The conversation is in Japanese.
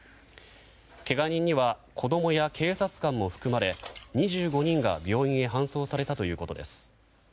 けが人には子供や警察官も含まれ２５人が病院に搬送されたということです。